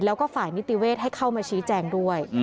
แล้วก็ฝ่ายนิติเวศให้เข้ามาชี้แจงด้วย